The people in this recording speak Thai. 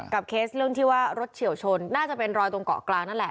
เคสเรื่องที่ว่ารถเฉียวชนน่าจะเป็นรอยตรงเกาะกลางนั่นแหละ